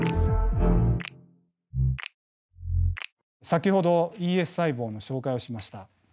先ほどＥＳ細胞の紹介をしました。